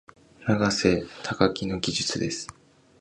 永瀬貴規の技術です。